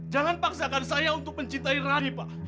jangan paksakan saya untuk mencintai rani pak